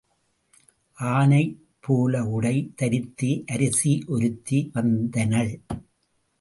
ஆணைப் போல உடை தரித்தே அரசி ஒருத்தி வந்தனள்.